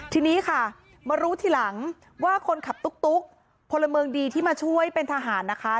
ทีนี้ค่ะมารู้ทีหลังว่าคนขับตุ๊กพลเมืองดีที่มาช่วยเป็นทหารนะคะ